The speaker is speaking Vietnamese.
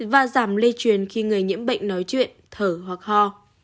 và giảm lây truyền khi người nhiễm bệnh nói chuyện thở hoặc ho